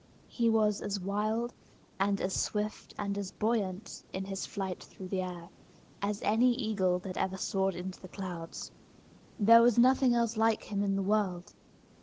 He was as wild, and as swift, and as buoyant, in his flight through the air, as any eagle that ever soared into the clouds. There was nothing else like him in the world.